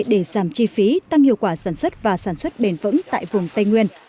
để giảm chi phí tăng hiệu quả sản xuất và sản xuất bền vững tại vùng tây nguyên